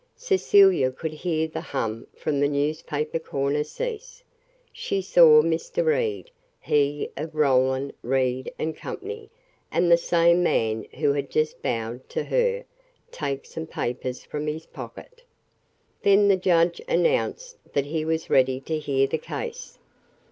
Cecilia could hear the hum from the newspaper corner cease, she saw Mr. Reed, he of Roland, Reed & Company, and the same man who had just bowed to her, take some papers from his pocket. Then the judge announced that he was ready to hear the case.